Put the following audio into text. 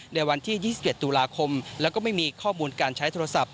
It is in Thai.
ในวันที่๒๗ตุลาคมแล้วก็ไม่มีข้อมูลการใช้โทรศัพท์